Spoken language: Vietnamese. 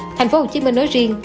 thành phố hồ chí minh nói riêng